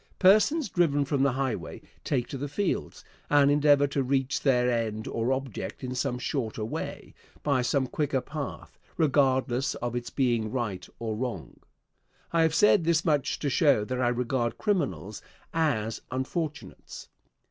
Persons driven from the highway take to the fields, and endeavor to reach their end or object in some shorter way, by some quicker path, regardless of its being right or wrong. I have said this much to show that I regard criminals as unfortunates.